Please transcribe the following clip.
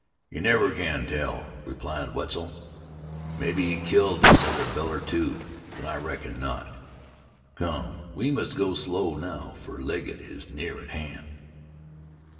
"You never can tell," replied Wetzel. "Mebbe he killed this other fellar, too; but I reckon not. Come, we must go slow now, fer Legget is near at hand."